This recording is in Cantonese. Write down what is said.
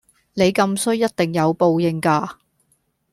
你咁衰一定有報應架！